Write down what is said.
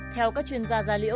theo các chuyên gia da liễu